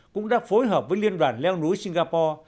cũng đã phối hợp với liên đoàn leo núi singapore